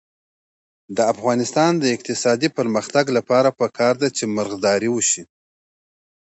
د افغانستان د اقتصادي پرمختګ لپاره پکار ده چې مرغداري وشي.